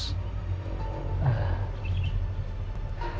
kalian ini bagaimana sih